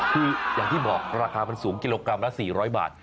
คืออย่างที่บอกราคามันสูงกิโลกรัมละ๔๐๐บาท